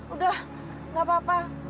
udah gak apa apa